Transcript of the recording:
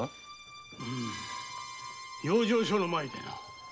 養生所の前でな。